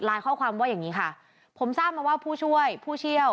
ข้อความว่าอย่างนี้ค่ะผมทราบมาว่าผู้ช่วยผู้เชี่ยว